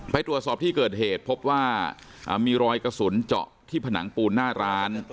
ไปตรวจสอบที่เกิดเหตุพบว่ามีรอยกระสุนเจาะที่ผนังปูนหน้าร้าน